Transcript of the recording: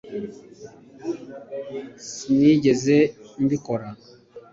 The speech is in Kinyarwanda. sinigeze mbikora